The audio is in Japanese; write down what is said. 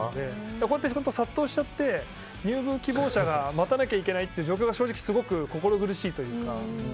こうやって殺到しちゃって入部希望者が待たなきゃいけない状態というのがとても心苦しいというか。